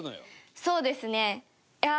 そうですねいや。